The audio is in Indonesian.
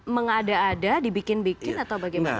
mengada ada dibikin bikin atau bagaimana